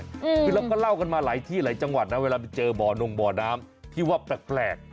คือเราก็เล่ากันมาหลายที่หลายจังหวัดนะเวลาไปเจอบ่อนงบ่อน้ำที่ว่าแปลก